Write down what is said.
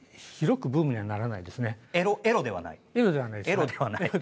エロではない。